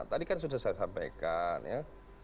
tadi kan sudah saya sampaikan ya